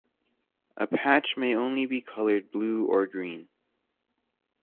A patch may only be coloured blue or green.